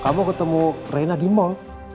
kamu ketemu reina di mall